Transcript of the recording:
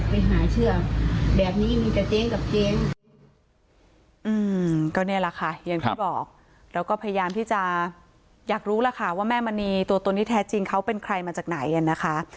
แล้วก็พยายามที่จะอยากรู้ล่ะค่ะว่าแม่มณีตัวตนที่แท้จริงเขาเป็นใครมาจากไหนนะคะ